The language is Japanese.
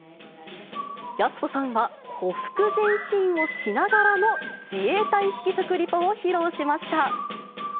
やす子さんは、ほふく前進をしながらの自衛隊式食リポを披露しました。